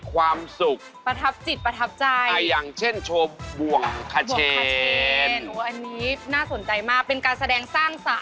คำร้อนรองกองไปทั่วไพรซี